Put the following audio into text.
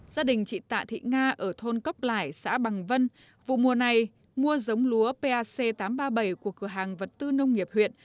gia đình chị tạ thị nga ở thôn cốc lải xã bằng vân vụ mùa này mua giống lúa pac tám trăm ba mươi bảy của cửa hàng vật tư nông nghiệp huyện